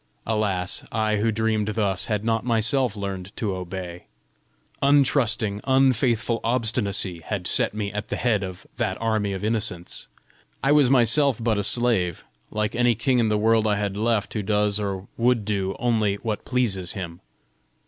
Alas, I who dreamed thus, had not myself learned to obey! Untrusting, unfaithful obstinacy had set me at the head of that army of innocents! I was myself but a slave, like any king in the world I had left who does or would do only what pleases him!